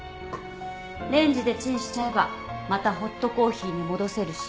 レンジでチンしちゃえばまたホットコーヒーに戻せるし。